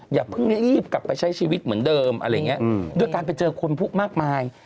อย่าเพิ่งรีบกลับไปใช้ชีวิตเหมือนเดิมด้วยการไปเจอคนพุกมากมาย